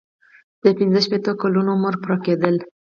د پنځه شپیتو کلونو عمر پوره کیدل.